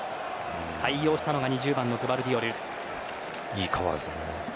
対応したのが２０番グヴァルディオル。